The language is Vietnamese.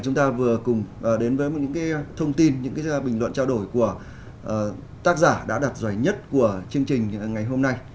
chúng ta vừa cùng đến với những thông tin những bình luận trao đổi của tác giả đã đặt giải nhất của chương trình ngày hôm nay